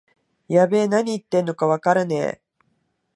やべえ、なに言ってんのかわからねえ